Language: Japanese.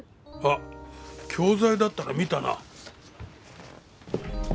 あっ教材だったら見たな。